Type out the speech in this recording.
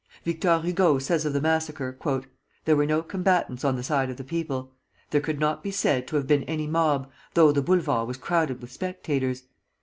Victor Hugo says of the massacre: "There were no combatants on the side of the people. There could not be said to have been any mob, though the Boulevard was crowded with spectators.